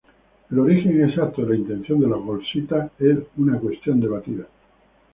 El origen exacto de la invención de las bolsitas es una cuestión debatida.